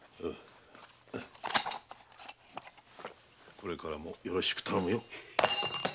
これからもよろしく頼むよ。